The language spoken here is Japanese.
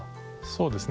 そうですね。